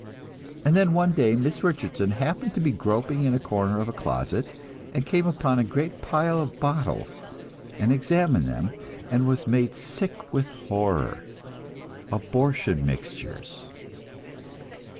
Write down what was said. And then one day Miss Richardson happened to be groping in a corner of a closet, and came upon a great pile of bottles, and examined them, and was made sick with horror abortion mixtures.